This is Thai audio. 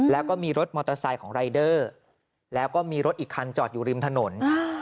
แล้วก็มีรถมอเตอร์ไซค์ของรายเดอร์แล้วก็มีรถอีกคันจอดอยู่ริมถนน